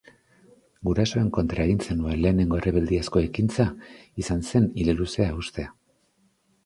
Gurasoen kontra egin zenuen lehenengo errebeldiazko ekintza izan zen ile luzea uztea.